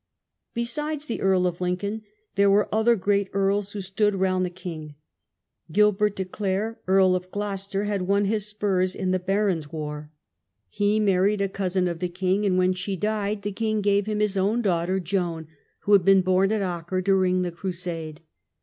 Besides the Earl of Lincoln there were other great earls who stood around the king. Gilbert de Clare, Earl of Gloucester, had won his spurs in the Barons' war. He THE WELSH WARS. 83 married a cousin of the king, and when she died the king gave him his own daughter Joan, who had been born at Acre during the Crusade.